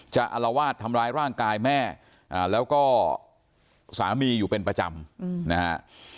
อารวาสทำร้ายร่างกายแม่แล้วก็สามีอยู่เป็นประจำนะฮะ